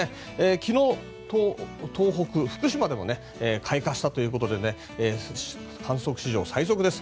昨日、東北、福島でも開花したということで観測史上最速です。